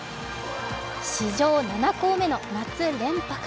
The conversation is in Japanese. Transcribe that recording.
史上７校目の夏連覇か。